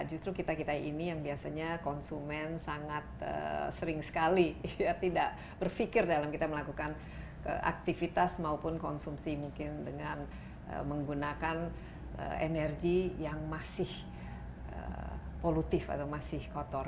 justru kita kita ini yang biasanya konsumen sangat sering sekali tidak berpikir dalam kita melakukan aktivitas maupun konsumsi mungkin dengan menggunakan energi yang masih polutif atau masih kotor